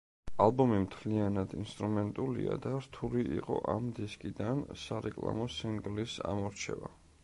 ალბომი მთლიანად ინსტრუმენტულია და რთული იყო ამ დისკიდან სარეკლამო სინგლის ამორჩევა.